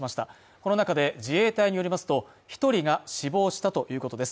この中で自衛隊によりますと、１人が死亡したということです。